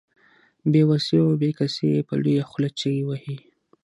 بې وسي او بې کسي يې په لويه خوله چيغې وهي.